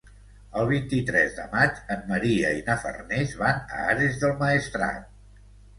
El vint-i-tres de maig en Maria i na Farners van a Ares del Maestrat.